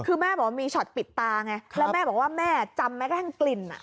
คือแม่บอกว่ามีช็อตปิดตาไงแล้วแม่บอกว่าแม่จำแม้กระทั่งกลิ่นอ่ะ